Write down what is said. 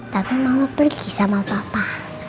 tapi mama pergi sama papa